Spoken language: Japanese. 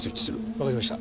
わかりました。